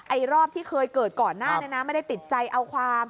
รอบที่เคยเกิดก่อนหน้านี้นะไม่ได้ติดใจเอาความ